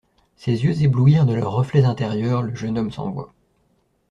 Ses yeux éblouirent de leurs reflets intérieurs le jeune homme sans voix.